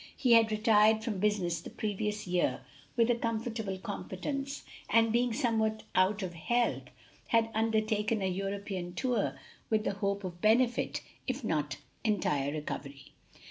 He had retired from business the previous year with a comfortable competence, and being somewhat out of health, had undertaken a European tour with the hope of benefit, if not entire recovery.